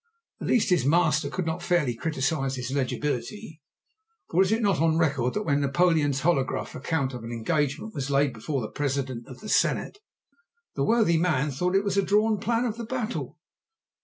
At least his master could not fairly criticize his legibility, for is it not on record that when Napoleon's holograph account of an engagement was laid before the President of the Senate, the worthy man thought that it was a drawn plan of the battle?